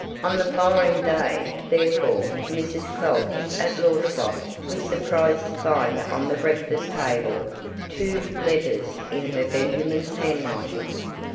On the following day, therefore, Mrs. Quelch at Lawestoft was surprised to find on the breakfast table two letters in her Benjamin's handwriting.